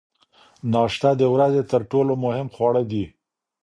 ناشته د ورځې تر ټولو مهم خواړه دي.